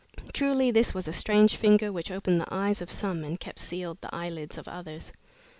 Truly this was a strange finger which opened the eyes of some and kept sealed the eyelids of others!